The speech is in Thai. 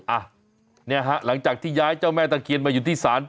อ่ะเนี่ยฮะหลังจากที่ย้ายเจ้าแม่ตะเคียนมาอยู่ที่ศาล